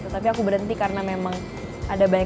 tapi aku berhenti karena memang ada baik